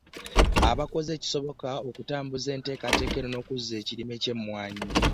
Abakoze ekisoboka okutambuza enteekateeka eno n'okuzza ekirime ky'Emmwanyi.